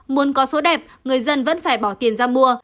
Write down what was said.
muốn có số đẹp người dân vẫn phải bỏ tiền ra mua